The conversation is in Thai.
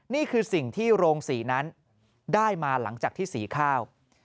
นี่คือสิ่งที่โรงศรีนั้นได้มาหลังจากที่สีข้าว